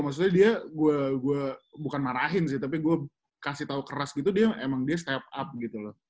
maksudnya dia gue bukan marahin sih tapi gue kasih tau keras gitu dia emang dia step up gitu loh